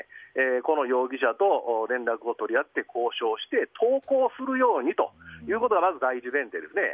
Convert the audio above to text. この容疑者と連絡を取り合って交渉をして投降するようにということがまず第一前提ですね。